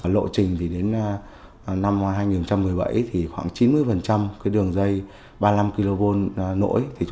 lộ trình thì đến năm hai nghìn một mươi bảy thì khoảng chín mươi cái đường dây ba mươi năm kv nổi